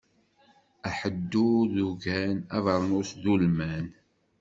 Aḥeddur d uggan, abeṛnus d ulman.